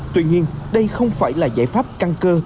tuy nhiên đây không phải là giải pháp căn cơ